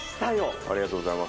ありがとうございます。